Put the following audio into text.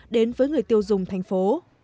đến với người tiêu dùng thành phố